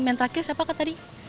men terakhir siapa tadi